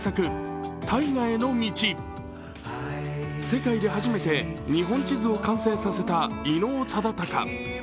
世界で初めて日本地図を完成させた伊能忠敬。